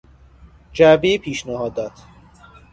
جعبهی پیشنهادات